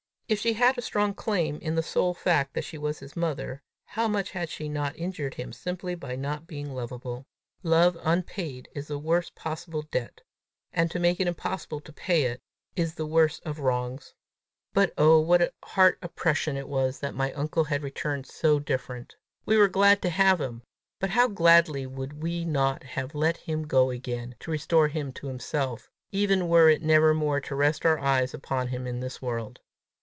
If she had a strong claim in the sole fact that she was his mother, how much had she not injured him simply by not being lovable! Love unpaid is the worst possible debt; and to make it impossible to pay it, is the worst of wrongs. But, oh, what a heart oppression it was, that my uncle had returned so different! We were glad to have him, but how gladly would we not have let him go again to restore him to himself, even were it never more to rest our eyes upon him in this world!